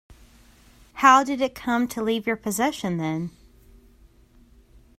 How did it come to leave your possession then?